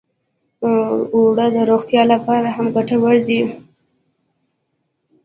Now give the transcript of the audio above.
اوړه د روغتیا لپاره هم ګټور دي